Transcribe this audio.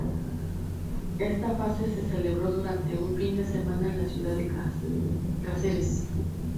Esta fase se celebró durante un fin de semana en la ciudad de Cáceres.